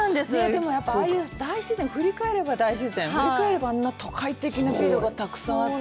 でも、ああいう大自然、振り返れば、大自然、振り返れば、都会的な風景もあって。